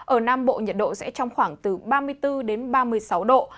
ở nam bộ nhiệt độ sẽ trong khoảng từ ba mươi bốn đến ba mươi sáu độ